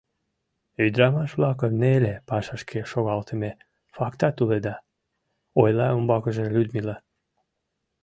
— Ӱдырамаш-влакым неле пашашке шогалтыме фактат уледа! — ойла умбакыже Людмила.